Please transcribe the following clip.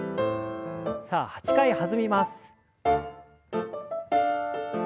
さあ８回弾みます。